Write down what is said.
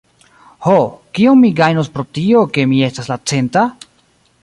"Ho, kion mi gajnos pro tio, ke mi estas la centa?"